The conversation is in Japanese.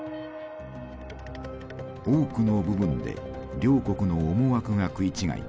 多くの部分で両国の思惑が食い違い